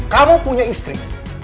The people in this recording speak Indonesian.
kamu punya istri